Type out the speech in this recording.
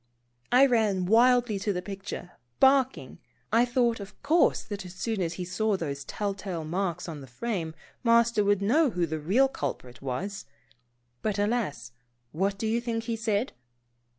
I ran wildly to the picture, barking. I thought, of course, that as soon as he saw those telltale marks on the frame. Master would know who the real culprit was. But alas, what do you think he said